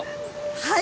はい！